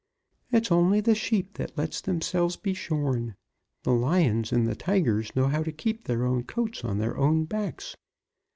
It's only the sheep that lets themselves be shorn. The lions and the tigers know how to keep their own coats on their own backs.